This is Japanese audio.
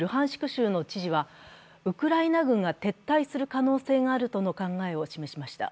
州の知事はウクライナ軍が撤退する可能性があるとの考えを示しました。